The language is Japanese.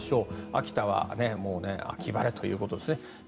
秋田は秋晴れということですね。